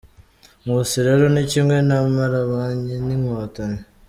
Nkusi rero ni kimwe na Mparabanyi, ni Nkotanyi.